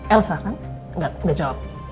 elsa kan gak jawab